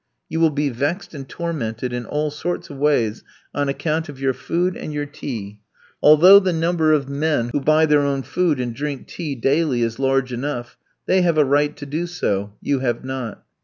You will be vexed and tormented in all sorts of ways on account of your food and your tea. Although the number of men who buy their own food and drink tea daily is large enough, they have a right to do so, you have not."